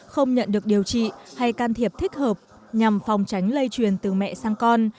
không nhận được điều trị hay can thiệp thích hợp nhằm phòng tránh lây truyền từ mẹ sang con